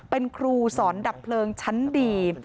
เป็นครูสอนดับเพลิงชั้นดี